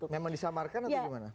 memang disamarkan atau gimana